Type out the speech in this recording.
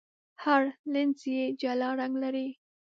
هر لینز یې جلا رنګ لري.